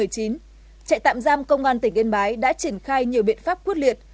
chạy tạm giam công an tỉnh yên bái đã triển khai nhiều biện pháp quốc liệt